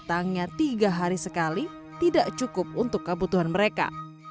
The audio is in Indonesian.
air isi ulang dari pamjaya datangnya tiga hari sekali tidak cukup untuk kebutuhan mereka